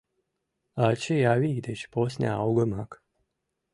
Ачий-авий деч посна огымак...